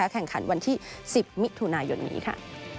แข่งขันวันที่๑๐มิถุนายนนี้ค่ะ